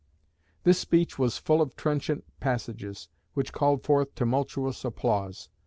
This speech was full of trenchant passages, which called forth tumultuous applause.